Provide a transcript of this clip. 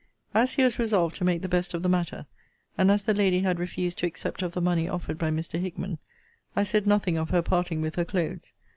As he was resolved to make the best of the matter, and as the lady had refused to accept of the money offered by Mr. Hickman, I said nothing of her parting with her clothes.